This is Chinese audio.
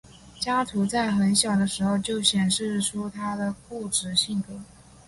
加图在很小的时候就显示出他的固执性格。